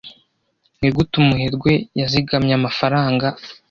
Nigute umuherwe yazigamye amafaranga